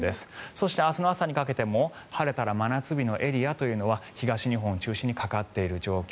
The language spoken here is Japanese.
そして明日の朝にかけても晴れたら真夏日のエリアというのは東日本を中心にかかっている状況。